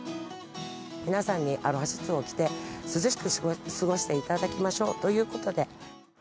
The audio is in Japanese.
皆さんにアロハシャツを着て、涼しく過ごしていただきましょうということで。